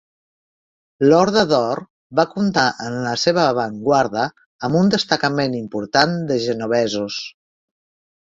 L'Horda d'Or va comptar en la seva avantguarda amb un destacament important de genovesos.